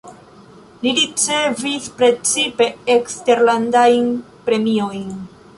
Li ricevis precipe eksterlandajn premiojn.